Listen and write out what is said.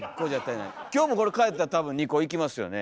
今日もこれ帰ったら多分２個いきますよね？